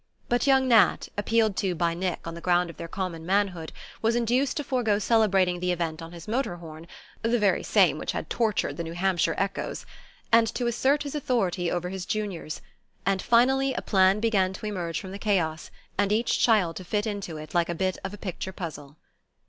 But young Nat, appealed to by Nick on the ground of their common manhood, was induced to forego celebrating the event on his motor horn (the very same which had tortured the New Hampshire echoes), and to assert his authority over his juniors; and finally a plan began to emerge from the chaos, and each child to fit into it like a bit of a picture puzzle.